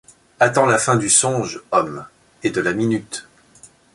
Attends la fin du songe, homme, et de la minute.